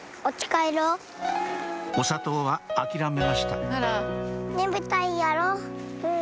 お砂糖は諦めましたうん。